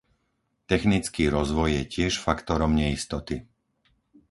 Technický rozvoj je tiež faktorom neistoty.